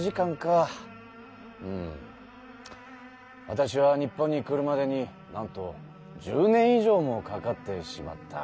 わたしは日本に来るまでになんと１０年以上もかかってしまった。